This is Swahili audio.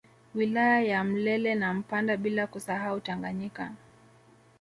Wilaya ya Mlele na Mpanda bila kusahau Tanganyika